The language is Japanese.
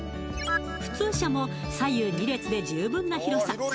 普通車も左右２列で十分な広さ